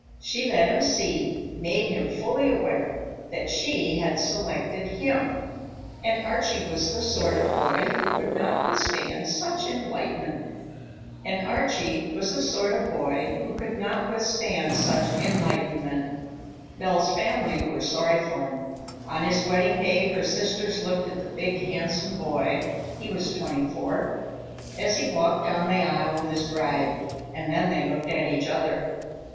She let him see, made him fully aware, that she had selected him, and Archie was the sort of boy who could not withstand such enlightenment. Belle's family were sorry for him. On his wedding day her sisters looked at the big, handsome boy—he was twenty four—as he walked down the aisle with his bride, and then they looked at each other.